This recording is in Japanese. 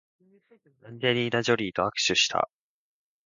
アンジェリーナジョリーと握手した